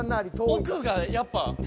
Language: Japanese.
奥がやっぱ。